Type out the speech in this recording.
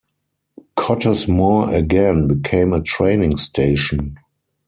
Cottesmore again became a training station.